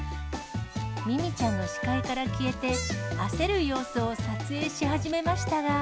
みみちゃんの視界から消えて、焦る様子を撮影し始めましたが。